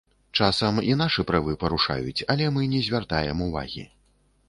Часам і нашы правы парушаюць, але мы не звяртаем увагі.